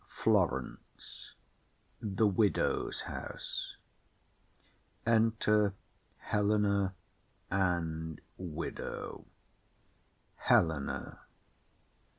Florence. A room in the Widow's house. Enter Helena and Widow. HELENA.